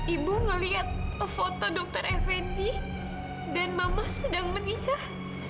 ibu melihat foto dr effendi dan mama sedang menikah